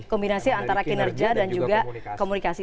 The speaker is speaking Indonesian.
kombinasi antara kinerja dan juga komunikasi